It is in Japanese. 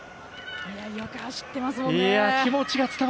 よく走ってますもんね。